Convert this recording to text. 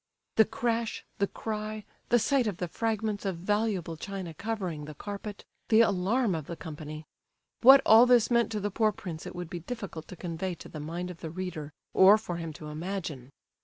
The crash, the cry, the sight of the fragments of valuable china covering the carpet, the alarm of the company—what all this meant to the poor prince it would be difficult to convey to the mind of the reader, or for him to imagine.